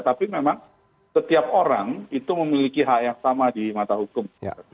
tapi memang setiap orang itu memiliki hak yang sama di mata hukum